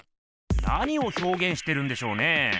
何をひょうげんしてるんでしょうね？